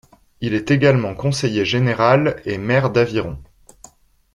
Il est également conseiller général et maire d'Aviron.